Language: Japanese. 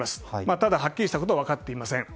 ただ、はっきりしたことは分かっていません。